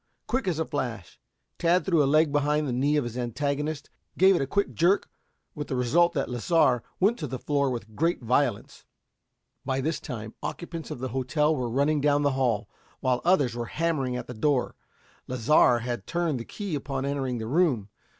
Quick as a flash, Tad threw a leg behind the knee of his antagonist, gave it a quick jerk, with the result that Lasar went to the floor with great violence. By this time, occupants of the hotel were running down the hall, while others were hammering at the door. Lasar had turned the key upon entering the room.